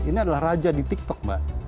ini adalah raja di tiktok mbak